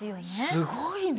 すごいね！